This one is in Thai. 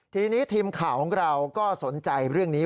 ทีนี้ทีมข่าวของเราก็สนใจเรื่องนี้